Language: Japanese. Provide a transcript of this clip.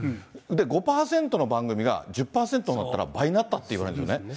５％の番組が１０％になったら、倍になったって言われるんですよね。